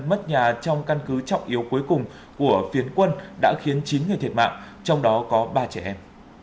mất nhà trong căn cứ trọng yếu cuối cùng của phiến quân đã khiến chín người thiệt mạng trong đó có ba trẻ em